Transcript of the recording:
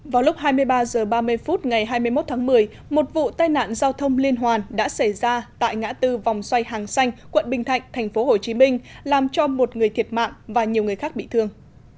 vào lúc hai mươi ba h ba mươi phút ngày hai mươi một tháng một mươi một vụ tai nạn giao thông liên hoàn đã xảy ra tại ngã tư vòng xoay hàng xanh quận bình thạnh tp hcm làm cho một người thiệt mạng và nhiều người khác bị thương